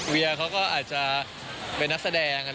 เวียเขาก็อาจจะเป็นนักแสดง